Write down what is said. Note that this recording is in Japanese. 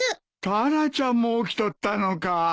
タラちゃんも起きとったのか。